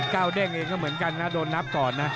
เด้งเองก็เหมือนกันนะโดนนับก่อนนะ